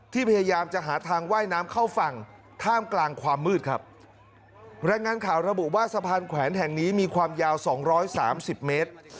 พยายามจะหาทางว่ายน้ำเข้าฝั่งท่ามกลางความมืดครับรายงานข่าวระบุว่าสะพานแขวนแห่งนี้มีความยาวสองร้อยสามสิบเมตร